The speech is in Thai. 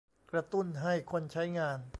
กระตุ้นให้คนใช้งาน